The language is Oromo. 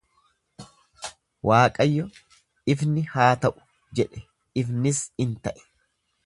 Waaqayyo, "Ifni haa ta'u!" jedhe; ifnis in ta'e.